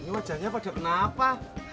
wajahnya pada kenapa